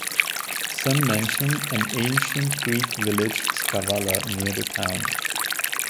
Some mention an ancient Greek village "Skavala" near the town.